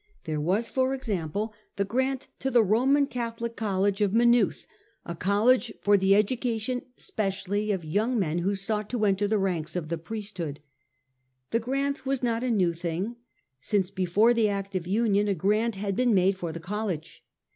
There was, for example, the grant to the Roman Catholic College of May nooth, a College for the education specially of young men who sought to enter the ranks of the priesthood. The grant was not a new thing. Since before the Act of Union a grant had been made for the college.